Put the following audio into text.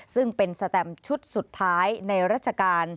ซึ่งเป็นสแตมชุดสุดท้ายในราชการ